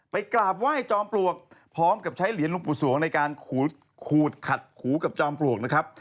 กราบไหว้จอมปลวกพร้อมกับใช้เหรียญหลวงปู่สวงในการขูดขัดหูกับจอมปลวกนะครับ